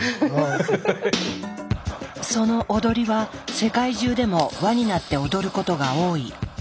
その踊りは世界中でも輪になって踊ることが多い。